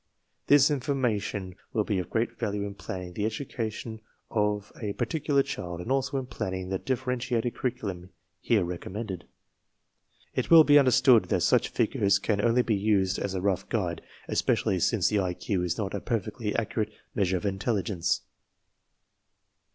This in 28 TESTS AND SCHOOL REORGANIZATION formation will be of great value in planning the edu cation of a particular child and also in planning the differentiated curriculum here recommended. It will be understood that such figures can only be used as a l, «\ rough guide, especially since the IQ is not a perfectly f 1 accurate measure of intelligence!